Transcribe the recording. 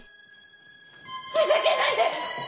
ふざけないで！